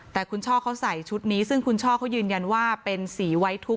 แต่คุณช่อเขาใส่ชุดนี้ซึ่งคุณช่อเขายืนยันว่าเป็นสีไว้ทุกข